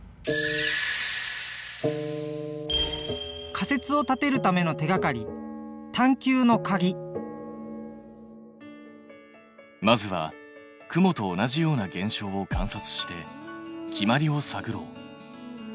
仮説を立てるための手がかりまずは雲と同じような現象を観察して決まりを探ろう。